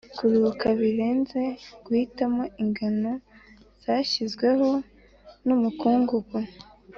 'kuruhuka birenze guhitamo ingano zashyizweho n'umukungugu,